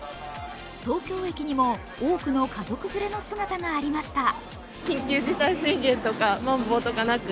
東京駅にも多くの家族連れの姿がありました。